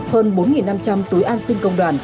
hơn bốn năm trăm linh túi an sinh công đoàn